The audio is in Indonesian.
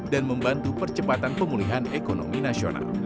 dan membantu percepatan pemulihan ekonomi nasional